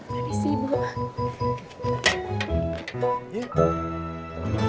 terima kasih bu